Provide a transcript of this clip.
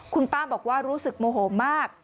คุณป้าบอกว่ารู้สึกโมโหมาก